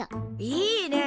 いいね！